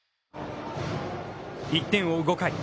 １点を追う５回。